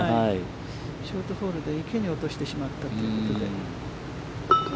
ショートホールで池に落としてしまったということで。